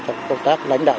trong công tác lãnh đạo